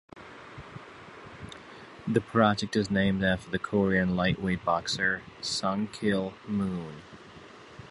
The project is named after the Korean lightweight boxer Sung-Kil Moon.